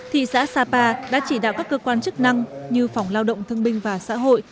thị xã sapa đã chỉ đạo các cơ quan chức năng như phòng lao động thương binh và xã hội